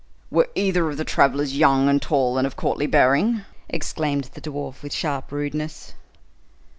"Were either of the travelers young, and tall, and of courtly bearing?" exclaimed the dwarf with sharp rudeness.